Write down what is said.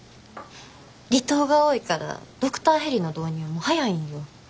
離島が多いからドクターヘリの導入も早いんよ。